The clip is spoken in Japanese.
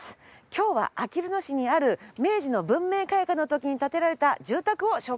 今日はあきる野市にある明治の文明開化の時に建てられた住宅を紹介します。